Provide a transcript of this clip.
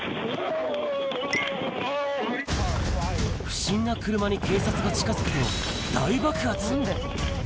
不審な車に警察が近づくと、大爆発。